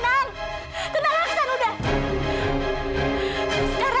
tenang aksan udah